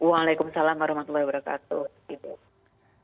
waalaikumsalam warahmatullahi wabarakatuh ibu